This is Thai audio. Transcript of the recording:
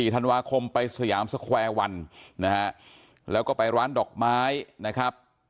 ธันวาคมไปสยามสแควร์วันนะฮะแล้วก็ไปร้านดอกไม้นะครับ